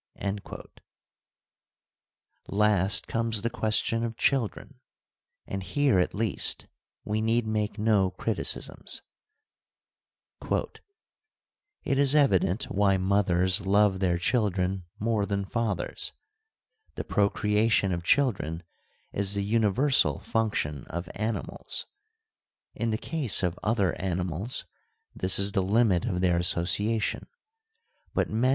f Last comes the question of children ; and here, at least, we need make no criticisms : It is evident why mothers love their children more than fathers. The procreation of children is the uni versal function of animals. In the case of other animals, this is the limit of their association ; but men and * Ethics, viii.